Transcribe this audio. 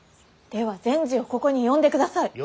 では善児をここに呼んでください。